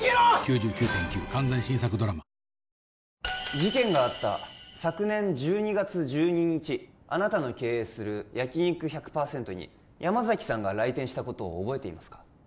事件があった昨年１２月１２日あなたの経営する焼肉１００％に山崎さんが来店したことを覚えていますか？